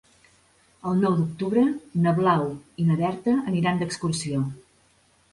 El nou d'octubre na Blau i na Berta aniran d'excursió.